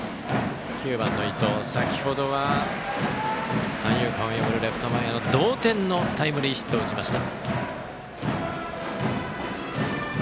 ９番の伊藤先ほどは三遊間を破るレフト前の、同点のタイムリーヒットを打ちました。